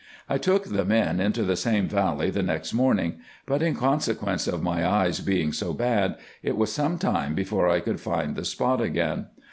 I took the men into the same valley the next morning ; but in consequence of my eyes being so bad, it was some time before I could fmd the spot again.